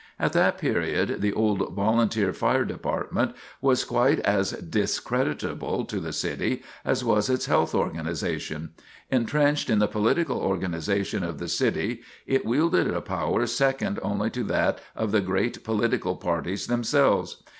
[Sidenote: Reorganization of the Fire Department] At that period the old Volunteer Fire Department was quite as discreditable to the city as was its health organization. Intrenched in the political organizations of the city, it wielded a power second only to that of the great political parties themselves.